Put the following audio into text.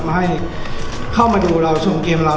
ให้เข้ามาดูเราชมเกมเรา